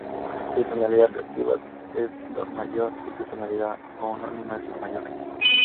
Su tonalidad relativa es Do mayor, y su tonalidad homónima es La mayor.